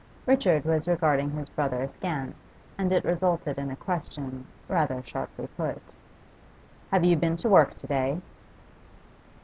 Richard was regarding his brother askance, and it resulted in a question, rather sharply put 'Have you been to work to day?